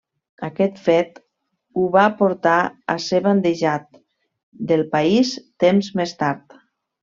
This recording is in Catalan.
Aquest fet ho va portar a ser bandejat del país temps més tard.